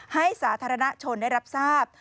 สาธารณชนได้รับทราบ